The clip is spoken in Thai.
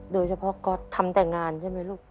โดยเฉพาะก๊อตทำแต่งานใช่ไหมลูก